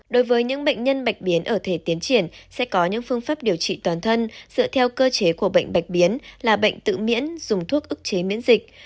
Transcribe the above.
đối với những bệnh nhân bạch biến ở thể tiến triển sẽ có những phương pháp điều trị toàn thân dựa theo cơ chế của bệnh bạch biến là bệnh tự miễn dùng thuốc ức chế miễn dịch